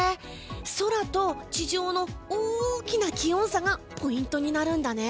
空と地上の大きな気温差がポイントになるんだね。